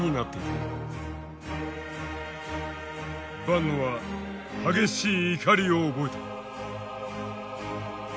坂野は激しい怒りを覚えた。